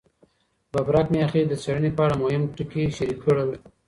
ببرک میاخیل د څېړني په اړه مهم ټکي شریک کړل.